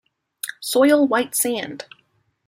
Soil white sand.